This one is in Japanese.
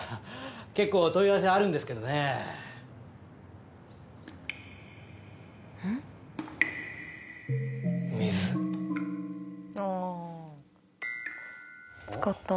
結構問い合わせあるんですけどねあっ